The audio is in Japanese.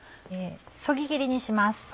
そぎ切りにします。